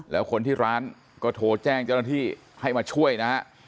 แล้วคนที่ร้านก็โทรแจ้งเจ้าหน้าที่ให้มาช่วยนะฮะ